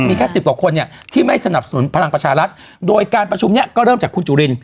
มีแค่สิบกว่าคนเนี่ยที่ไม่สนับสนุนพลังประชารัฐโดยการประชุมเนี่ยก็เริ่มจากคุณจุลิน